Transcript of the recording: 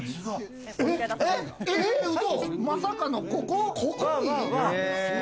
まさかのここに？